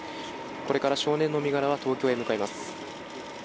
これから少年の身柄は東京へ向かいます。